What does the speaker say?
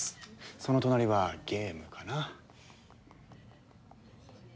その隣はゲームかな。